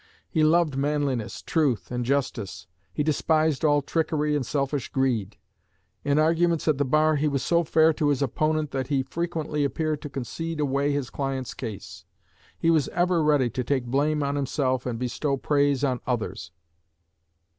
He loved manliness, truth, and justice. He despised all trickery and selfish greed. In arguments at the bar he was so fair to his opponent that he frequently appeared to concede away his client's case. He was ever ready to take blame on himself and bestow praise on others.